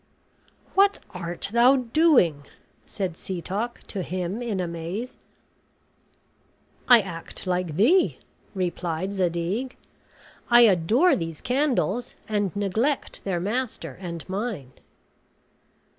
"What art thou doing?" said Setoc to him in amaze. "I act like thee," replied Zadig, "I adore these candles, and neglect their master and mine."